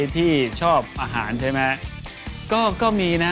ที่ชอบอาหารใช่ไหม